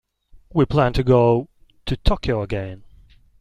We plan to go to Tokyo again.